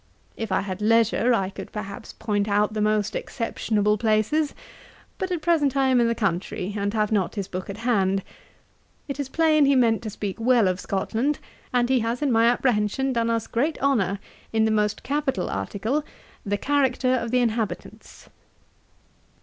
'If I had leisure, I could perhaps point out the most exceptionable places; but at present I am in the country, and have not his book at hand. It is plain he meant to speak well of Scotland; and he has in my apprehension done us great honour in the most capital article, the character of the inhabitants.'